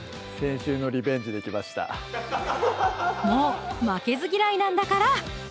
もう負けず嫌いなんだから！